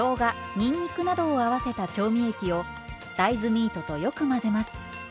にんにくなどを合わせた調味液を大豆ミートとよく混ぜます。